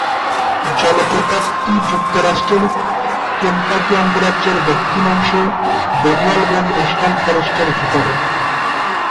জলপ্রপাতটি যুক্তরাষ্ট্রের কেনটাকি অঙ্গরাজ্যের দক্ষিণ অংশে ড্যানিয়াল বোন ন্যাশনাল ফরেস্টের ভেতরে।